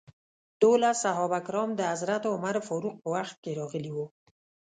دولس صحابه کرام د حضرت عمر فاروق په وخت کې راغلي وو.